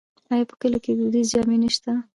آیا په کلیو کې دودیزې جامې نشته؟